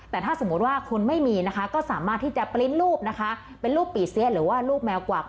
แต่ถ้าสมมุติว่าคุณไม่มีนะคะก็สามารถที่จะปริ้นต์รูปนะคะเป็นรูปปี่เสียหรือว่ารูปแมวกวัก